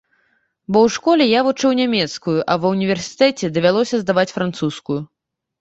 Бо ў школе я вучыў нямецкую, а ва ўніверсітэце давялося здаваць французскую.